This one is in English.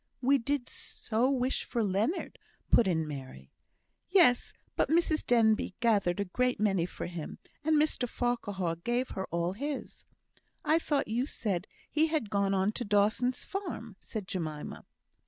"We did so wish for Leonard," put in Mary. "Yes! but Mrs Denbigh gathered a great many for him. And Mr Farquhar gave her all his." "I thought you said he had gone on to Dawson's farm," said Jemima.